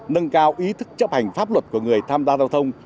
nâng cao ý thức chấp hành pháp luật của người tham gia giao thông